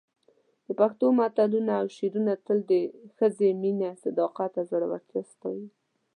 د پښتو متلونه او شعرونه تل د ښځې مینه، صداقت او زړورتیا ستایي.